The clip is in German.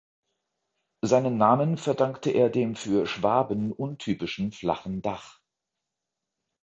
Seinen Namen verdankte er dem für Schwaben untypischen flachen Dach.